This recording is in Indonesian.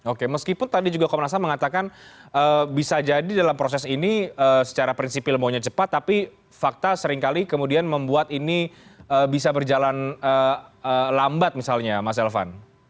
oke meskipun tadi juga komnas ham mengatakan bisa jadi dalam proses ini secara prinsipil maunya cepat tapi fakta seringkali kemudian membuat ini bisa berjalan lambat misalnya mas elvan